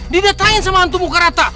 didatengin sama hantu muka rata